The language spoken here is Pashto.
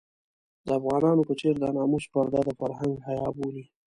د افغانانو په څېر د ناموس پرده د فرهنګ حيا بولي.